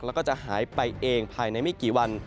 แล้วก็จะหายไปเองภายในไม่กี่วัน